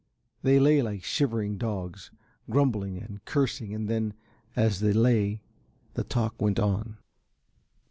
They lay like shivering dogs, grumbling and cursing and then, as they lay, the talk went on.